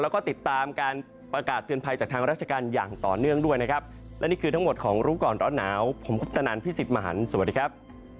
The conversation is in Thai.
แล้วก็ติดตามการประกาศเตือนภัยจากทางราชการอย่างต่อเนื่องด้วยนะครับและนี่คือทั้งหมดของรู้ก่อนร้อนหนาวผมคุปตนันพี่สิทธิ์มหันฯสวัสดีครับ